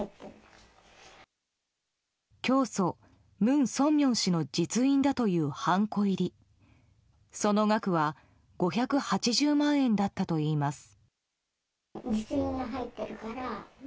教祖、文鮮明氏の実印だというハンコ入りその額は５８０万円だったといいます。